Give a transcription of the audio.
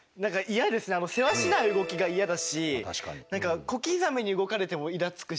せわしない動きがイヤだし何か小刻みに動かれてもイラつくし。